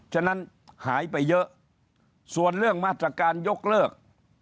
ฉะนั้นหายไปเยอะส่วนเรื่องมาตรการยกเลิก